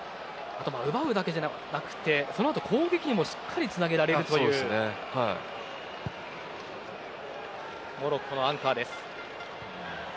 奪うだけじゃなくてそのあと攻撃にもしっかりつなげられるというモロッコのアンカーです。